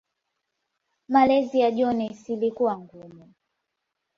Malezi ya Jones ilikuwa ngumu.